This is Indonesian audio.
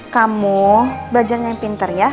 kamu belajarnya yang pinter ya